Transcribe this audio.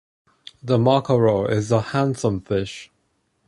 The mackerel is a handsome fish.